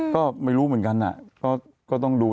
ก็ไม่รู้เหมือนกันก็ต้องดู